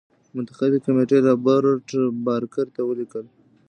منتخبي کمېټې رابرټ بارکر ته ولیکل.